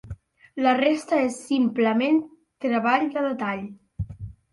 La resta és simplement treball de detall.